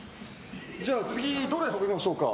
じゃあ、次どれを運びましょうか？